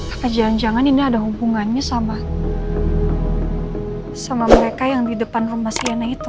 apa jangan jangan ini ada hubungannya sama sama mereka yang di depan rumah siana itu